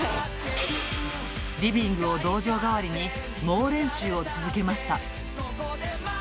リビングを道場代わりに、猛練習を続けました。